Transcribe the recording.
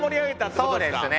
そうですね。